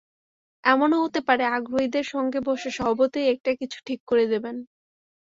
এমনও হতে পারে, আগ্রহীদের সঙ্গে বসে সভাপতিই একটা কিছু ঠিক করে দেবেন।